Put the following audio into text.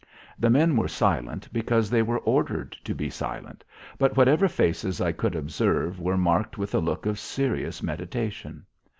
The men were silent because they were ordered to be silent, but whatever faces I could observe were marked with a look of serious meditation.